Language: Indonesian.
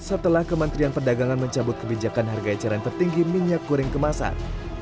setelah kementerian perdagangan mencabut kebijakan harga eceran tertinggi minyak goreng kemasan